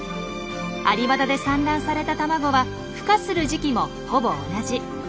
アリバダで産卵された卵はふ化する時期もほぼ同じ。